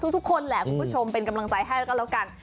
ทุกคนแหละคุณผู้ชมเป็นกำลังใจให้แล้วก็แล้วกัน